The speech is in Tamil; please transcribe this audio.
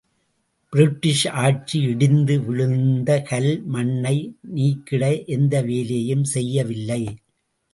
பிரிட்டிஷ் ஆட்சி இடிந்து விழுந்த கல், மண்ணை நீக்கிட எந்த வேலையையும் செய்யவில்லை.